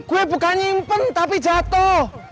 gue bukan nyimpen tapi jatuh